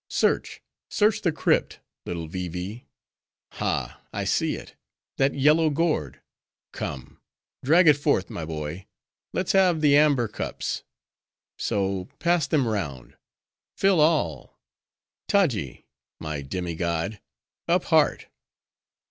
Search, search the crypt, little Vee Vee! Ha, I see it!—that yellow gourd!—Come: drag it forth, my boy. Let's have the amber cups: so: pass them round;—fill all! Taji! my demi god, up heart!